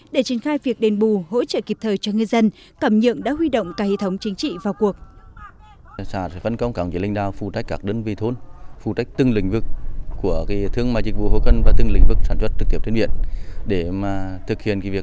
để triển khai việc đền bù hỗ trợ kịp thời cho ngư dân cảm nhượng đã huy động cả hệ thống chính trị vào cuộc